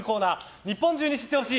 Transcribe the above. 日本中に知って欲しい！